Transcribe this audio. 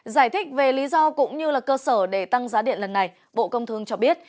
giải thích về lý do cũng như là cơ sở để tăng giá điện lần này bộ công thương cho biết